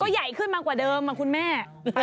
ใหญ่ขึ้นมากกว่าเดิมคุณแม่